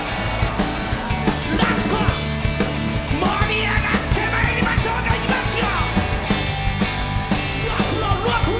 ラストは盛り上がってまいりましょういきますよ！